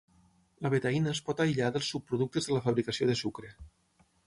La betaïna es pot aïllar dels subproductes de la fabricació de sucre.